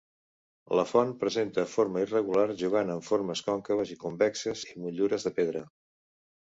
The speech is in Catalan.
La font presenta forma irregular jugant amb formes còncaves i convexes i motllures de pedra.